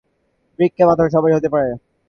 বৃক্কে পাথর সবারই হতে পারে।